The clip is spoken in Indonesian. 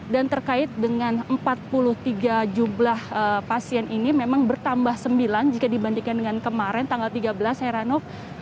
dan terkait dengan empat puluh tiga jumlah pasien ini memang bertambah sembilan jika dibandingkan dengan kemarin tanggal tiga belas heranov